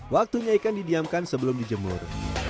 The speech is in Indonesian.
waktunya ikan didiamkan sebelum dijemur